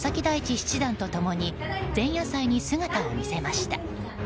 七段と共に前夜祭に姿を見せました。